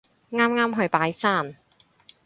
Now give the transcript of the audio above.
啱啱去拜山